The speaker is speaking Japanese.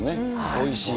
おいしい。